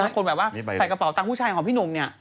คนแบบว่าใส่กระเป๋าตังค์ผู้ชายของพี่หนุ่มเนี่ย